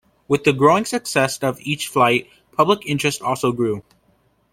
With the growing success of each flight, public interest also grew.